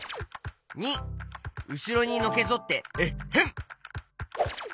②うしろにのけぞってエッヘン。